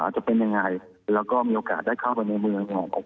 จะเป็นยังไงและก็มีโอกาสได้เข้ากันบริเวณเมือง